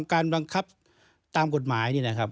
การบังคับตามกฎหมายนี่นะครับ